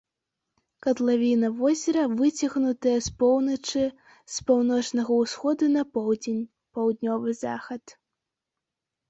Катлавіна возера выцягнутая з поўначы, з паўночнага ўсходу на поўдзень, паўднёвы захад.